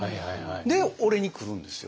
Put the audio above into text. で俺に来るんですよ。